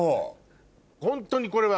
ホントにこれは。